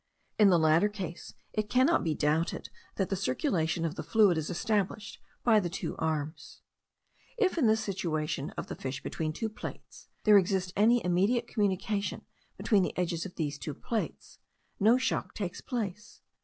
In the latter case it cannot be doubted that the circulation of the fluid is established by the two arms. If, in this situation of the fish between two plates, there exist any immediate communication between the edges of these two plates, no shock takes place.